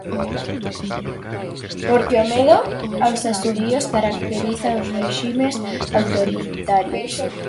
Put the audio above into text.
Porque o medo aos asubíos caracteriza os réximes autoritarios.